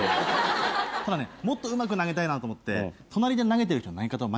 ただもっとうまく投げたいなと思って隣で投げてる人の投げ方